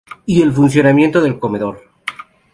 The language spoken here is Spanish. Y el funcionamiento del comedor.